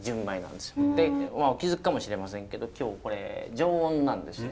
でお気付きかもしれませんけど今日これ常温なんですよ。